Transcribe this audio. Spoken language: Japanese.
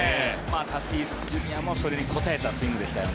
タティスＪｒ．もそれに応えたスイングでしたよね。